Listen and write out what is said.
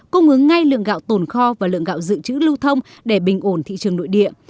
cung ứng ngay lượng gạo tồn kho và lượng gạo dự trữ lưu thông để bình ổn thị trường nội địa